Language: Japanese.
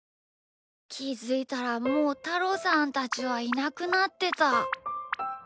きづいたらもうたろさんたちはいなくなってた。